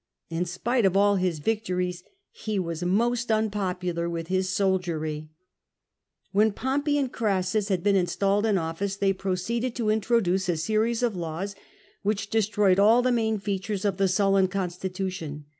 In spite of all his victories he was most unpopular with his soldiery. When Pompey and Orassus had been installed in office, they proceeded to introduce a series of laws which de stroyed all the main features of the Sullan constitution.